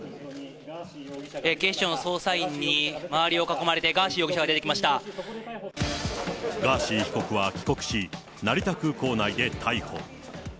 警視庁の捜査員に周りを囲まれて、ガーシー被告は帰国し、成田空港内で逮捕。